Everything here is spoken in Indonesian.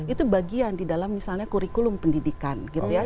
itu bagian di dalam misalnya kurikulum pendidikan gitu ya